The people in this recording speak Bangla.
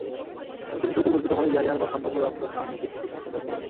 কারণ তিনি সুপরিকল্পিতভাবে ইয়াহিয়ার সম্ভাব্য রক্তস্নান নীতির প্রতি সমর্থন ব্যক্ত করেছিলেন।